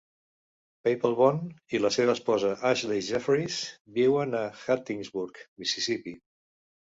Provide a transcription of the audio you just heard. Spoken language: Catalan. Papelbon i la seva esposa, Ashley Jefferies, viuen a Hattiesburg, Mississippi.